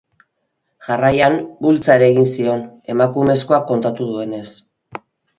Jarraian, bultza ere egin zion, emakumezkoak kontatu duenez.